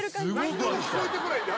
何にも聞こえてこないんだよ